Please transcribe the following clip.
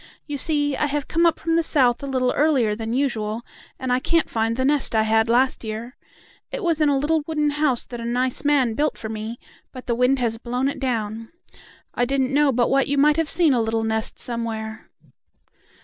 You see, I have come up from the South a little earlier than usual, and I can't find the nest I had last year. It was in a little wooden house that a nice man built for me, but the wind has blown it down. I didn't know but what you might have seen a little nest somewhere."